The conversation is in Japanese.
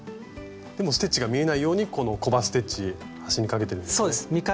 でもステッチが見えないようにこのコバステッチ端にかけてるんですね。